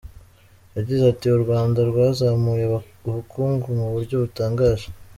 Yagize ati “U Rwanda rwazamuye ubukungu mu buryo butangaje.